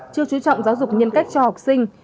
chưa chú trọng giáo dục nhân cách cho học sinh